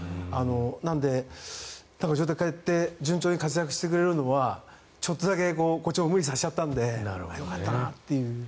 なので順調に活躍してくれるのはちょっとだけこっちも無理させちゃったのでよかったなという。